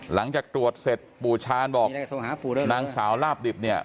หลังจากตรวจเสร็จปู่ชาญบอกนางสาวลาบดิบเนี่ย